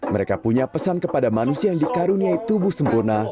mereka punya pesan kepada manusia yang dikaruniai tubuh sempurna